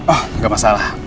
oh gak masalah